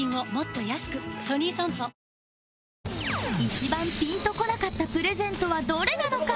一番ピンとこなかったプレゼントはどれなのか？